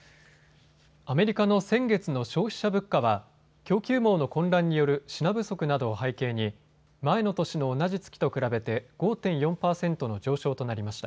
アメリカの先月の消費者物価は供給網の混乱による品不足などを背景に前の年の同じ月と比べて５．４％の上昇となりました。